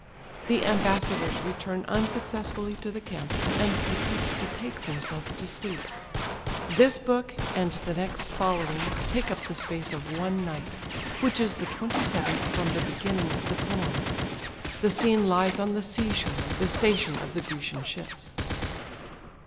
The ambassadors return unsuccessfully to the camp, and the troops betake themselves to sleep. This book, and the next following, take up the space of one night, which is the twenty seventh from the beginning of the poem. The scene lies on the sea shore, the station of the Grecian ships.